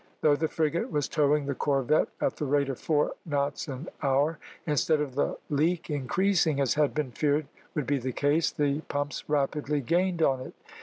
Though the frigate was towing the corvette at the rate of four knots an hour, instead of the leak increasing, as had been feared would be the case, the pumps rapidly gained on it.